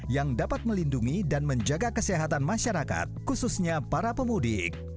yang dapat melindungi dan menjaga kesehatan masyarakat khususnya para pemudik